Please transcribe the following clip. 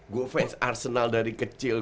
gue fans arsenal dari kecil